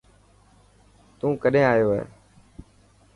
تون ڪڏين آيو هي.